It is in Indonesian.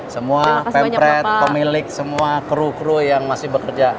semua pempret pemilik semua kru kru yang masih bekerja